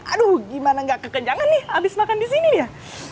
aduh gimana gak kekenjangan nih abis makan disini ya